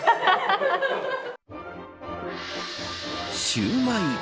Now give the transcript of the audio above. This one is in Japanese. シューマイ。